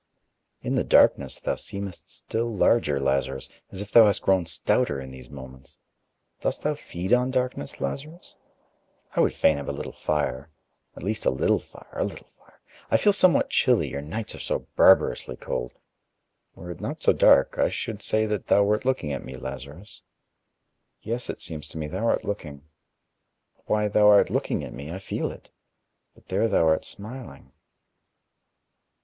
"In the darkness thou seemest still larger, Lazarus, as if thou hast grown stouter in these moments. Dost thou feed on darkness, Lazarus? I would fain have a little fire at least a little fire, a little fire. I feel somewhat chilly, your nights are so barbarously cold.... Were it not so dark, I should say that thou wert looking at me, Lazarus. Yes, it seems to me, thou art looking.... Why, thou art looking at me, I feel it, but there thou art smiling."